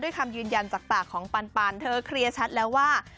คำยืนยันจากปากของปันเธอเคลียร์ชัดแล้วว่า